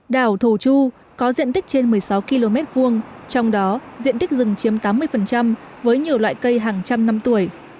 đảo thổ chu có diện tích trên một mươi sáu km hai trong đó diện tích rừng chiếm tám mươi với nhiều loại cây hàng trăm năm tuổi